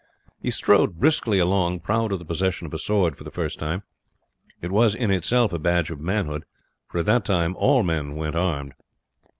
He strode briskly along, proud of the possession of a sword for the first time. It was in itself a badge of manhood, for at that time all men went armed.